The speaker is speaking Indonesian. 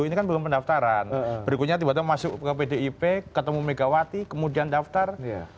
ini kan belum pendaftaran berikutnya tiba tiba masuk ke pdip ketemu megawati kemudian daftar